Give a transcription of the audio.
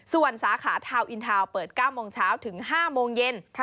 ส่วนสาขาทาวนอินทาวน์เปิด๙โมงเช้าถึง๕โมงเย็น